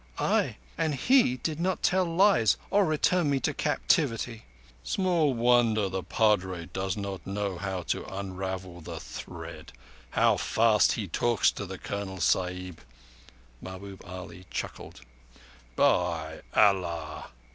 "Ay; and he did not tell lies, or return me to captivity." "Small wonder the Padre does not know how to unravel the thread. How fast he talks to the Colonel Sahib!" Mahbub Ali chuckled. "By Allah!"